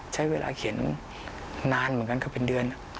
ใช้เวลาเขียนนานเหมือนกันก็เป็นเดือน